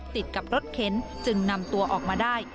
ติดกับรถเข็นจึงนำตัวออกมาได้